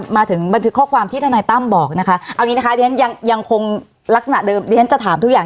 แบบนี้ยังไงต้องเปิดเพราะว่ามันเป็น